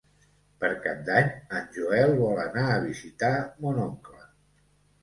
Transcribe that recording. Per Cap d'Any en Joel vol anar a visitar mon oncle.